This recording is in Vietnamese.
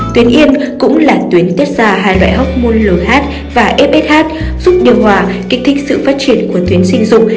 tuyến yên cũng là tuyến tiết ra hai loại hóc môn lh và fsh giúp điều hòa kích thích sự phát triển của tuyến sinh dục